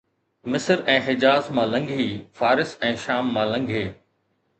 مصر ۽ حجاز مان لنگھي، فارس ۽ شام مان لنگھي